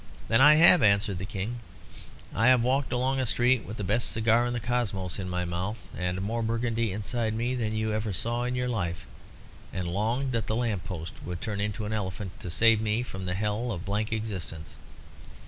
"Then I have," answered the King. "I have walked along a street with the best cigar in the cosmos in my mouth, and more Burgundy inside me than you ever saw in your life, and longed that the lamp post would turn into an elephant to save me from the hell of blank existence.